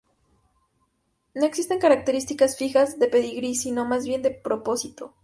No existen características fijas de pedigrí, sino más bien de propósito.